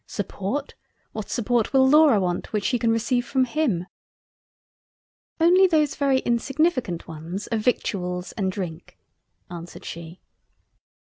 Support! What support will Laura want which she can receive from him?" "Only those very insignificant ones of Victuals and Drink." (answered she.)